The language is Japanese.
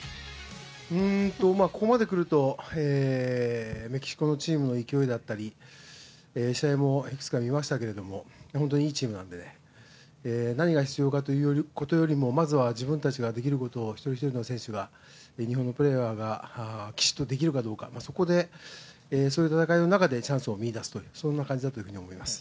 ここまで来るとメキシコのチームの勢いだったり試合もいくつか見ましたけど本当にいいチームなんで何が必要かということよりもまずは自分たちができることを一人一人の選手が、日本のプレーヤーがきちんとできるかどうか、そういう戦いの中でチャンスを見いだす、そんな感じだというふうに思います。